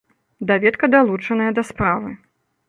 Даведка далучаная да справы.